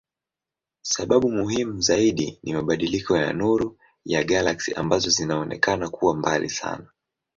Sababu muhimu zaidi ni mabadiliko ya nuru ya galaksi ambazo zinaonekana kuwa mbali sana.